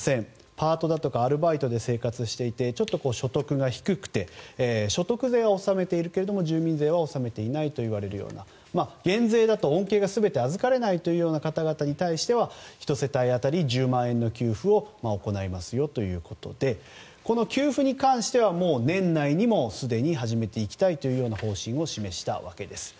パートだとかアルバイトで生活していて、所得が低くて所得税を納めているけれども住民税は納めていないといわれるような減税だと恩恵が全て預かれないという方々に対しては１世帯当たり１０万円の給付を行いますということでこの給付に関しては年内に始めていきたいという方針を示したわけです。